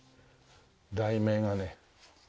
題名がね。